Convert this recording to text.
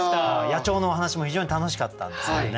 野鳥のお話も非常に楽しかったんですけどね